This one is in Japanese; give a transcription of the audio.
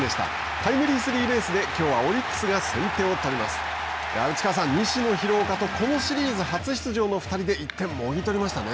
タイムリースリーベースできょうはオリックスが内川さん、西野、廣岡と、このシリーズ初出場の２人で１点をもぎ取りましたね。